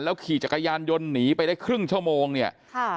ขี่จักรยานยนต์หนีไปได้ครึ่งชั่วโมงเนี่ยค่ะ